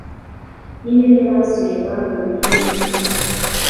Ni hehe basuye? Babonyeyo iki?